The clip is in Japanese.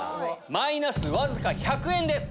マイナスわずか１００円です。